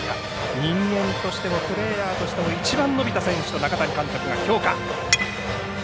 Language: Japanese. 人間としてもプレーヤーとしてもいちばん伸びた選手と中谷監督の評価。